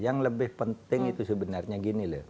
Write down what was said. yang lebih penting itu sebenarnya gini loh